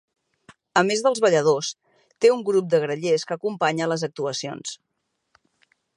A més dels balladors, té un grup de grallers que acompanya les actuacions.